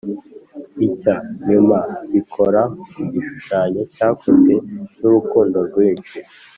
icya nyuma gikora ku gishushanyo cyakozwe nurukundo rwinshi,